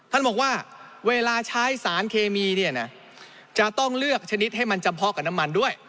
ท่านบอกว่าเวลาใช้สารเคมีเนี่ยนะจะต้องเลือกชนิดให้มันเฉพาะกับน้ำมันด้วย